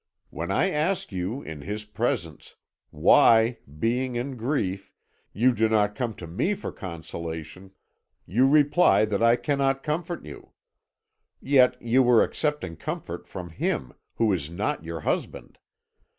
When I ask you, in his presence, why, being in grief, you do not come to me for consolation, you reply that I cannot comfort you. Yet you were accepting comfort from him, who is not your husband.